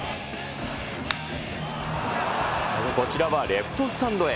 こちらはレフトスタンドへ。